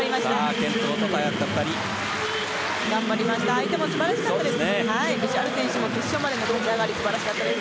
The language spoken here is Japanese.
相手も素晴らしかったです。